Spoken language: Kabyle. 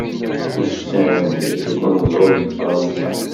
Usan-d seg unẓul n Fransa.